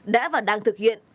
đã và đang thực hiện